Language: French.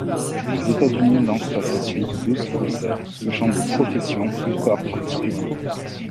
Les États-Unis lancent à sa suite douze procès touchant des professions ou corps particuliers.